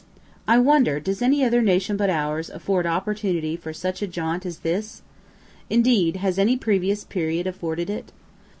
I wonder does any other nation but ours afford opportunity for such a jaunt as this? Indeed has any previous period afforded it?